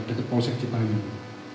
dekat polsek cepayu